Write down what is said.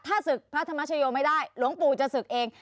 ถ้าศึกพระธรรมชโยไม่ได้หลวงปู่จะศึกเอง